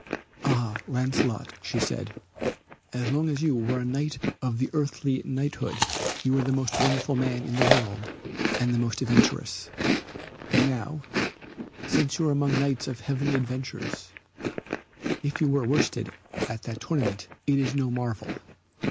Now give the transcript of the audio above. "Ah, Lancelot," said she, "as long as you were a knight of earthly knighthood you were the most wonderful man in the world and the most adventurous. But now, since you are set among Knights of heavenly adventures, if you were worsted at that tournament it is no marvel.